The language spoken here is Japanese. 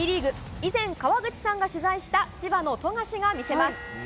以前、川口さんが取材した千葉の富樫が魅せます。